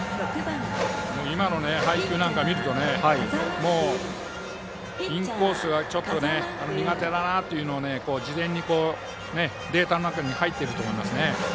今の配球を見るとインコースはちょっと苦手だなというのが事前にデータの中に入っていると思いますね。